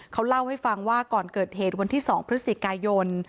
เขาเล่าให้ฟังว่าก่อนเกิดเหตุวันที่๒พฤศจิกายน